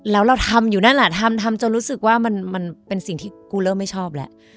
แล้วเราทำอยู่นั่นแหละทำทำจนรู้สึกว่ามันเป็นสิ่งที่กูเริ่มไม่ชอบแล้ว